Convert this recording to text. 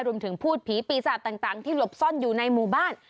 พูดผีปีศาจต่างที่หลบซ่อนอยู่ในหมู่บ้าน